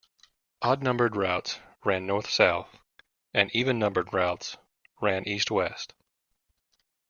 Odd-numbered routes ran north-south and even-numbered routes ran east-west.